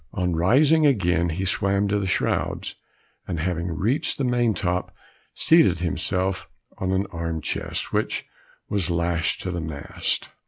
On rising again he swam to the shrouds, and having reached the main top, seated himself on an arm chest which was lashed to the mast.